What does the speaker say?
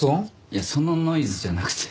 いやそのノイズじゃなくて。